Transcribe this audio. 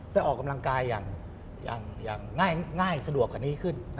ออกกำลังกายอย่างง่ายสะดวกกว่านี้ขึ้น